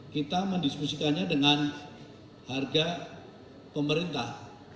kita mendiskusikannya dengan harga pemerintah